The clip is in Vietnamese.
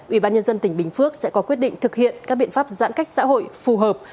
ủy ban nhân dân tỉnh bình phước sẽ có quyết định thực hiện các biện pháp giãn cách xã hội phù hợp